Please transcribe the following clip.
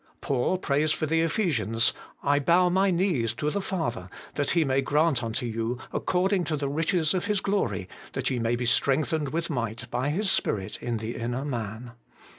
Paul prays for the Ephesians :' I bow my knees to the Father, that He may grant unto you, according to the riches of His glory, that ye may be strengthened with might by His Spirit in the inner man.'